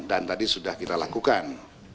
dan tadi sudah kita lakukan